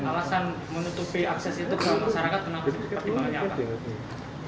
alasan menutupi akses itu ke masyarakat